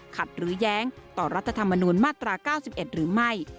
หรือแย้งต่อรัฐธรรมนูญมาตรา๙๑หรือไม่